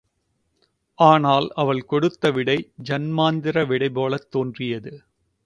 ஆனால் அவள் கொடுத்த விடை ஜன்மாந்திர விடை போலத் தோன்றியது.